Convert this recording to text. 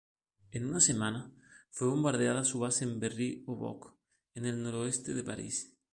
En una semana, fue bombardeada su base en Berry-au-Bac, en el noroeste de París.